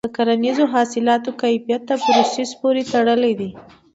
د کرنیزو حاصلاتو کیفیت د پروسس پورې تړلی دی.